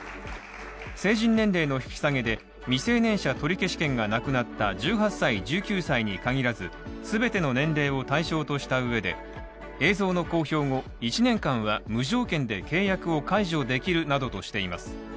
成人年齢の引き下げで、未成年者取消権がなくなった１８歳、１９歳に限らず、全ての年齢を対象としたうえで、映像の公表後１年間は無条件で契約を解除できるなどとしています。